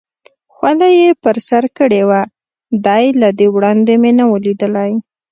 خولۍ یې پر سر کړې وه، دی له دې وړاندې مې نه و لیدلی.